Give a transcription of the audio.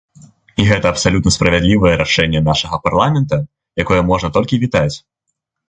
І гэта абсалютна справядлівае рашэнне нашага парламента, якое можна толькі вітаць.